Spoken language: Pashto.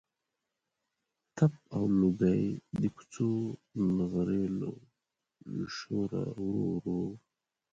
تپ او لوګی د کوڅو د نغریو له شوره ورو ورو.